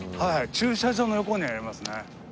駐車場の横にありますね。